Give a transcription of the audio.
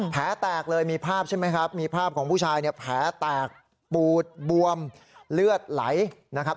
แผลแตกเลยมีภาพใช่ไหมครับมีภาพของผู้ชายเนี่ยแผลแตกปูดบวมเลือดไหลนะครับ